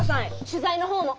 取材の方も。